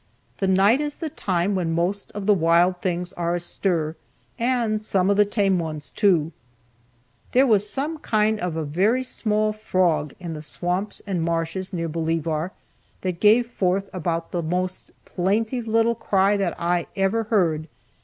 The night is the time when most of the wild things are astir, and some of the tame ones, too. There was some kind of a very small frog in the swamps and marshes near Bolivar that gave forth about the most plaintive little cry that I ever heard.